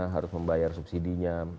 harus membayar subsidi nya